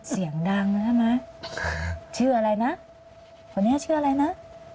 เสียงดังใช่ไหมชื่ออะไรนะคนนี้ชื่ออะไรนะ